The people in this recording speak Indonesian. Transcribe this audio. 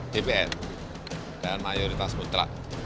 dpr dan mayoritas putra